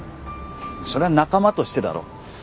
それは仲間としてだろ？